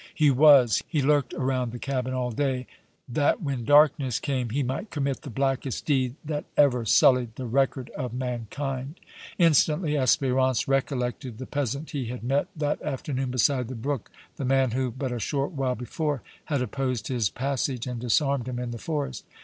"He was. He lurked around the cabin all day, that when darkness came he might commit the blackest deed that ever sullied the record of mankind!" Instantly Espérance recollected the peasant he had met that afternoon beside the brook, the man who, but a short while before, had opposed his passage and disarmed him in the forest.